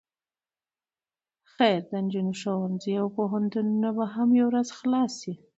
خير د نجونو ښوونځي او پوهنتونونه به هم يوه ورځ خلاص شي.